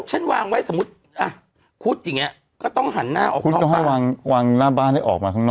ฉันวางไว้สมมุติคุดอย่างนี้ก็ต้องหันหน้าออกวางหน้าบ้านให้ออกมาข้างนอก